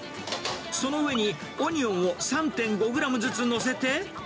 その上にオニオンを３．５グラムずつ載せて。